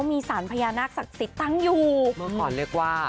หนองงูเห่า